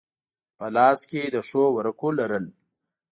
په لاس کې د ښو ورقو لرل.